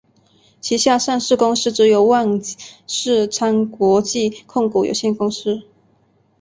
旗下上市公司则有万事昌国际控股有限公司。